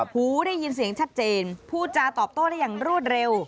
หูได้ยินเสียงชัดเจนพูดจาตอบโต้ได้อย่างรวดเร็ว